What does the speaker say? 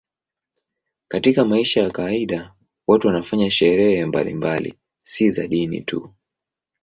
Katika maisha ya kawaida watu wanafanya sherehe mbalimbali, si za dini tu.